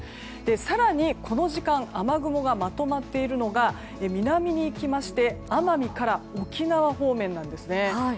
更にこの時間雨雲がまとまっているのが南に行きまして奄美から沖縄方面ですね。